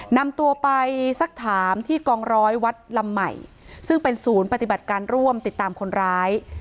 นำตัวไปสักถามที่กองร้อยวัดลำใหม่ซึ่งเป็นศูนย์ปฏิบัติการร่วมติดตามคนร้าย